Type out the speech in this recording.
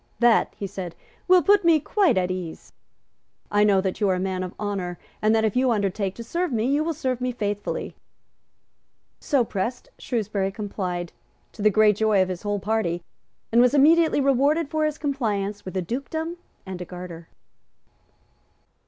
"That," he said, "will put me quite at ease. I know that you are a man of honour, and that, if you undertake to serve me, you will serve me faithfully." So pressed, Shrewsbury complied, to the great joy of his whole party; and was immediately rewarded for his compliance with a dukedom and a garter.